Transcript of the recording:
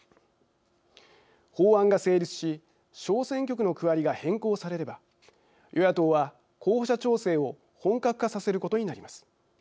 法案が成立し小選挙区の区割りが変更されれば与野党は候補者調整を本格化させることになります。